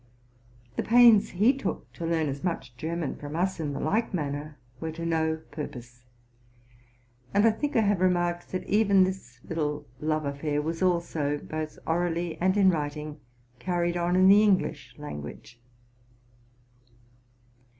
The pains he took to learn as much German from us in the like manner were to no purpose; and I think I have remarked that even this little love affair was also, both orally and in writing, carried on in the English language.